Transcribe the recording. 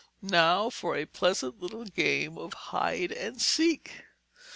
"Now for a pleasant little game of hide and seek!"